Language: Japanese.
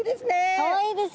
かわいいです。